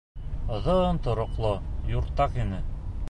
Оҙон тороҡло юртаҡ ине.